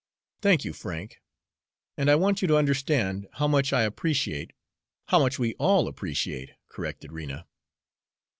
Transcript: "Thank you, Frank, and I want you to understand how much I appreciate" "How much we all appreciate," corrected Rena.